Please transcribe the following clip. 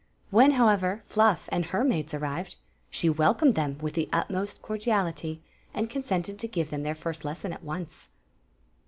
When, however, Fluff and her maids arrived, she welcomed them with the utmost cordiality, and consented to give them their first les son at once.